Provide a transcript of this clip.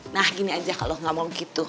nah gini aja kalo gak mau gitu